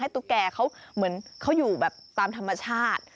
ตุ๊กแก่เขาเหมือนเขาอยู่แบบตามธรรมชาติ